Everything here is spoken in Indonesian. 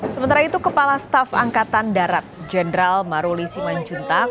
sementara itu kepala staff angkatan darat general maruli siman juntak